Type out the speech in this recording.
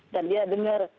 dan dia dengar